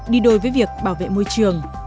đi đôi với việc bảo vệ môi trường